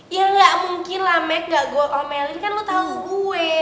ya gak mungkin lah mek gak gue omelin kan lo tau gue